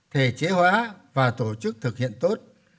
thể chế hóa và tổ chức thực hiện tốt